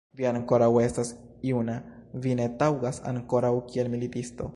Vi ankoraŭ estas juna, vi ne taŭgas ankoraŭ kiel militisto.